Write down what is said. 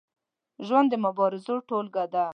ژوند د مبارزو ټولګه ده.